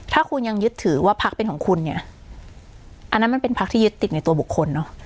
ถ้าคุณยังยึดถือว่าพักเป็นของคุณเนี่ยอันนั้นมันเป็นพักที่ยึดติดในตัวบุคคลเนอะ